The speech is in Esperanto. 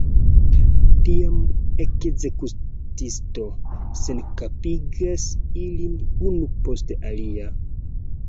Tiam ekzekutisto senkapigas ilin unu post alia.